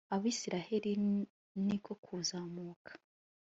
abayisraheli ni ko kuzamuka